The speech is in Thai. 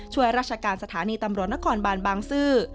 ช่วยราชการสถานีตำรวจนครบานบางซื่อ